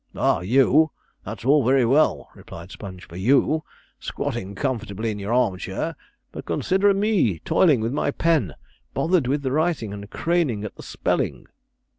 'Ah, you! that's all very well,' replied Sponge, 'for you, squatting comfortably in your arm chair: but consider me, toiling with my pen, bothered with the writing, and craning at the spelling.'